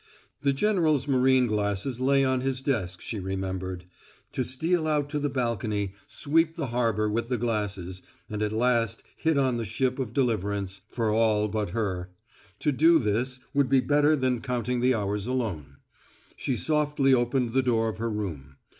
The general's marine glasses lay on his desk, she remembered. To steal out to the balcony, sweep the harbor with the glasses, and at last hit on the ship of deliverance for all but her; to do this would be better than counting the hours alone. She softly opened the door of her room.